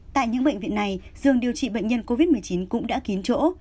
tại những bệnh viện này dường điều trị bệnh nhân covid một mươi chín cũng đã kín chỗ